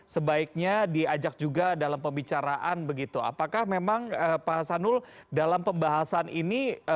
sebaiknya diajak juga dalam pembicaraan begitu apakah memang pak hasanul dalam pembahasan ini